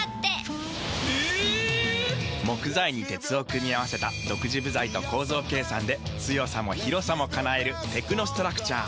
木材に鉄を組み合わせた独自部材と構造計算で強さも広さも叶えるテクノストラクチャー。